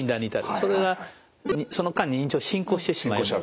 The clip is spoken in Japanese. それがその間に認知症進行してしまう。